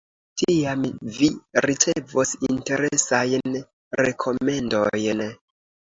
Tiam vi ricevos interesajn rekomendojn….